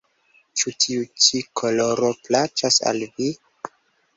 Ĉu tiu ĉi koloro plaĉas al vi?